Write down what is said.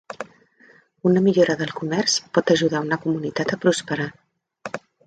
Una millora del comerç pot ajudar una comunitat a prosperar.